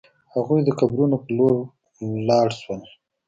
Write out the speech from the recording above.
هغوی د قبرونو په لور لاړ شول.